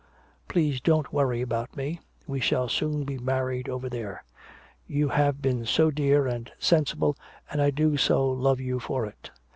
Please don't worry about me. We shall soon be married over there. You have been so dear and sensible and I do so love you for it."